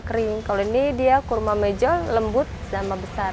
kering kalau ini dia kurma mejol lembut sama besar